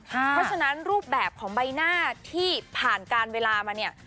เพราะฉะนั้นรูปแบบของใบหน้าที่ผ่านการเวลามาเนี่ย